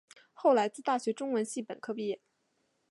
后来自大学中文系本科毕业。